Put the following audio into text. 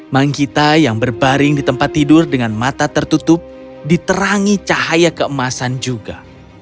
manggita yang berbaring di tempat tidur dengan mata tertutup diterangi cahaya keemasan juga